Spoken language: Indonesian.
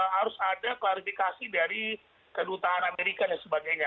harus ada klarifikasi dari kedutaan amerika dan sebagainya